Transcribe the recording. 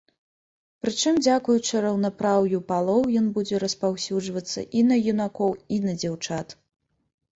Прычым дзякуючы раўнапраўю палоў ён будзе распаўсюджвацца і на юнакоў, і на дзяўчат.